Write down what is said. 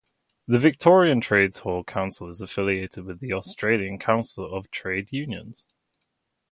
The Victorian Trades Hall Council is affiliated with the Australian Council of Trade Unions.